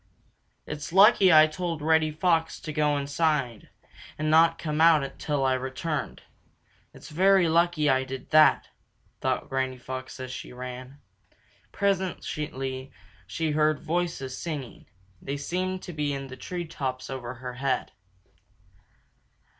"It's lucky I told Reddy Fox to go inside and not come out till I returned; it's very lucky I did that," thought Granny Fox as she ran. Presently she heard voices singing. They seemed to be in the treetops over her head.